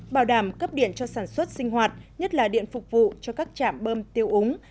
bảo đảm cấp điện cho sản xuất sinh hoạt nhất là điện phục vụ cho các trạm bơm tiêu úng